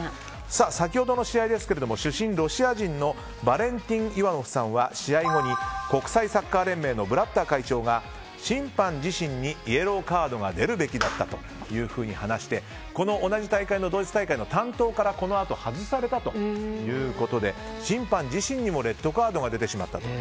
先ほどの試合ですが主審、ロシア人のヴァレンティン・イワノフさんは試合後に国際サッカー連盟のブラッター会長が審判自身にイエローカードが出るべきだったというふうに話しこの同じ大会の担当からこのあと、外されたということで審判自身にもレッドカードが出てしまったと。